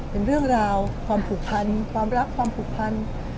เป็นเรื่องราวความผูกพันความรักความผูกพัน